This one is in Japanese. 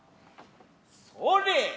それ。